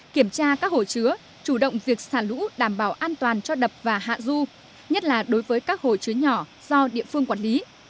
kiểm tra các hồ chứa chủ động việc xả lũ đảm bảo an toàn cho đập và hạ du nhất là đối với các hồ chứa nhỏ do địa phương quản lý